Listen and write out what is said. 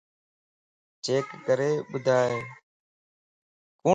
چيڪ ڪري ٻڌائي